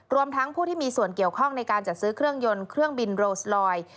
ทั้งผู้ที่มีส่วนเกี่ยวข้องในการจัดซื้อเครื่องยนต์เครื่องบินโรสลอย